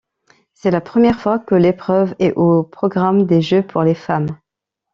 C'est la première fois que l'épreuve est au programme des Jeux pour les femmes.